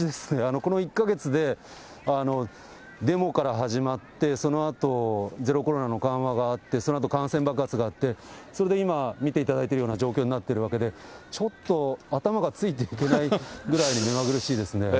この１か月で、デモから始まって、そのあと、ゼロコロナの緩和があって、そのあと感染爆発があって、それで今見ていただいてるような状況になってるわけで、ちょっと頭がついていけないぐらいに目まぐるしいですね。